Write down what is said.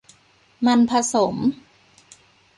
มันผสม